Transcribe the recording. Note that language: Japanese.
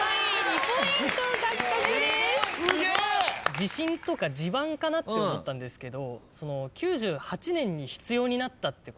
地震とか地盤かなって思ったんですけど。